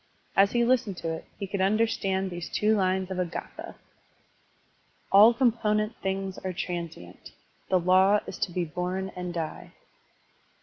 As he listened to it he could understand these two lines of a gSthS : "All component things are transient; The law is to be bom and die."